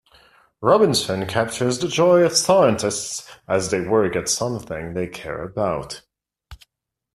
Robinson captures the joy of scientists as they work at something they care about.